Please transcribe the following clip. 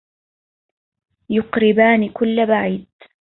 يُقَرِّبَانِ كُلَّ بَعِيدٍ